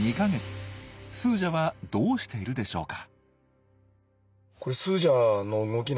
スージャはどうしているでしょうか。